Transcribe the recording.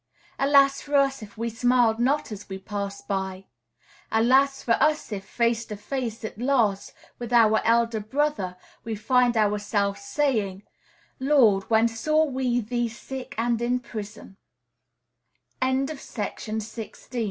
Alas for us if we smiled not as we passed by! Alas for us if, face to face, at last, with our Elder Brother, we find ourselves saying, "Lord, when saw we thee sick and in prison!" A Companion for the Winter.